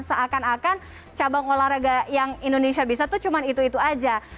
seakan akan cabang olahraga yang indonesia bisa tuh cuma itu itu aja